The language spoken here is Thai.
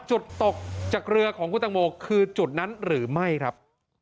จุดตกจากเรือของคุณตังโมคือจุดนั้นหรือไม่ครับ